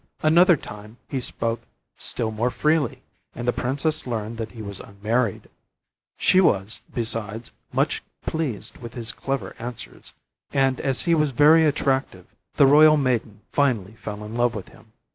Another time he spoke still more freely, and the princess learned that he was unmarried; she was, besides, much pleased with his clever answers, and as he was very attractive the royal maiden finally fell in love with him.